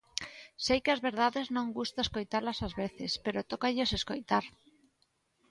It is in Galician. Sei que as verdades non gusta escoitalas ás veces, pero tócalles escoitar.